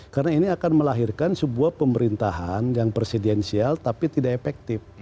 karena ini akan melahirkan sebuah pemerintahan yang presidensial tapi tidak efektif